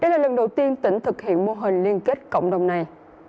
đây là lần đầu tiên tỉnh thực hiện mô hình liên kết cộng đồng này